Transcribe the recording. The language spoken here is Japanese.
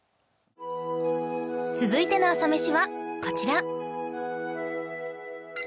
続いての朝メシはこちら